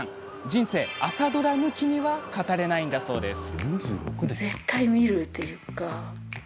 人生、朝ドラ抜きには語れないんだそうです。